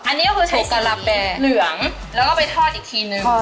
อันนี้ก็คือใช้สีเหลืองแล้วก็ไปทอดอีกทีนึงทอดอีกที